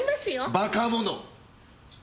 バカ者！